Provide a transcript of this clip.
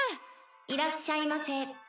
「いらっしゃいませ」